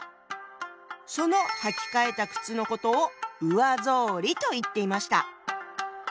その履き替えた靴のことを「上草履」と言っていました。